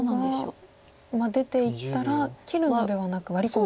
白が出ていったら切るのではなくワリコミ。